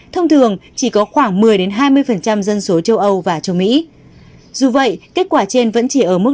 thông thường chỉ có khoảng một mươi hai mươi dân số châu âu và châu mỹ dù vậy kết quả trên vẫn chỉ ở mức